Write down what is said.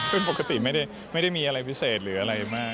ซึ่งปกติไม่ได้มีอะไรพิเศษหรืออะไรมาก